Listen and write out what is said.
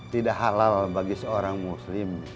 tidak halal bagi seorang muslim